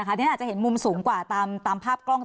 อันนี้อาจจะเห็นมุมสูงกว่าตามภาพกล้อง